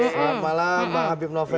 selamat malam bang habib novel